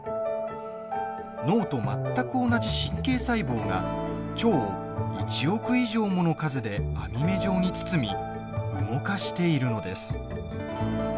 脳と全く同じ神経細胞が腸を１億以上もの数で網目状に包み動かしているのです。